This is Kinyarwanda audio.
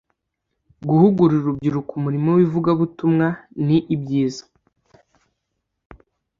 Guhugurira urubyiruko umurimo w’ivugabutumwa niibyiza,